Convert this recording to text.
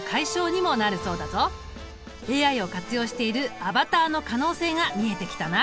ＡＩを活用しているアバターの可能性が見えてきたな。